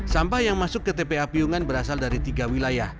sampah yang masuk ke tpa piungan berasal dari tiga wilayah